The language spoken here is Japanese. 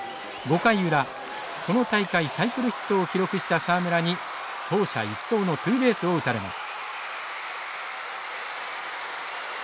５回裏この大会サイクルヒットを記録した沢村に走者一掃のツーベースを打たれます。